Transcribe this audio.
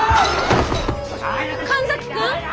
神崎君！？